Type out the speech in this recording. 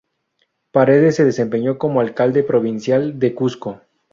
Paredes se desempeñó como alcalde provincial de Cuzco.